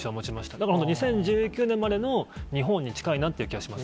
だから２０１９年前の日本に近いなっていう気がします。